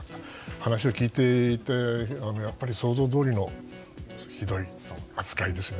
話を聞いていてやっぱり想像どおりのひどい扱いですよね。